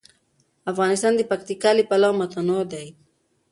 افغانستان د پکتیکا له پلوه متنوع دی.